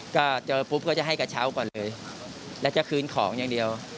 ก็เจอปุ๊บก็จะให้กระเช้าก่อนเลยแล้วจะคืนของอย่างเดียว